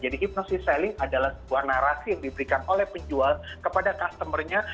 jadi hypnosis selling adalah sebuah narasi yang diberikan oleh penjual kepada customer nya